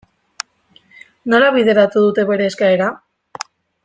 Nola bideratu dute bere eskaera?